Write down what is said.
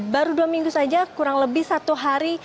baru dua minggu saja kurang lebih satu hari